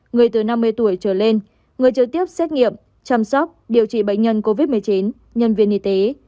người từ năm mươi tuổi trở lên người trực tiếp xét nghiệm chăm sóc điều trị bệnh nhân covid một mươi chín nhân viên y tế